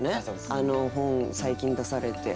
本最近出されて。